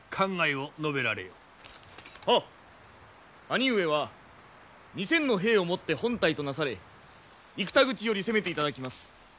兄上は２，０００の兵をもって本隊となされ生田口より攻めていただきます。